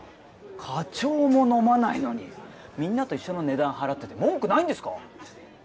課長も飲まないのにみんなと一緒の値段払ってて文句ないんですか？